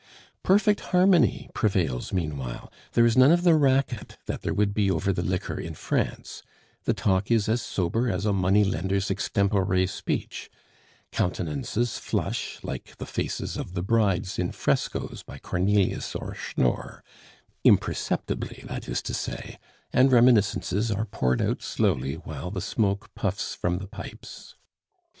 Perfect harmony prevails meanwhile; there is none of the racket that there would be over the liquor in France; the talk is as sober as a money lender's extempore speech; countenances flush, like the faces of the brides in frescoes by Cornelius or Schnorr (imperceptibly, that is to say), and reminiscences are poured out slowly while the smoke puffs from the pipes.